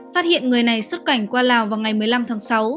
phát hiện người này xuất cảnh qua lào vào ngày một mươi năm tháng sáu